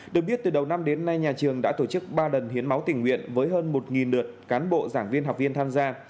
được biết từ đầu năm đến nay nhà trường đã tổ chức ba lần hiến máu tình nguyện với hơn một lượt cán bộ giảng viên học viên tham gia